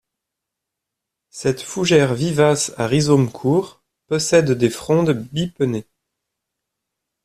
Cette fougère vivace à rhizome court possède des frondes bipennées.